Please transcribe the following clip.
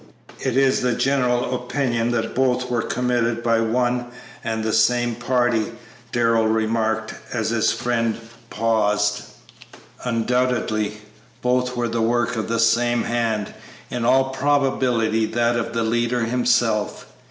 "It is the general opinion that both were committed by one and the same party," Darrell remarked, as his friend paused. "Undoubtedly both were the work of the same hand, in all probability that of the leader himself.